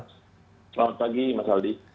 selamat pagi mas aldi